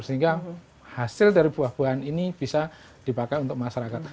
sehingga hasil dari buah buahan ini bisa dipakai untuk masyarakat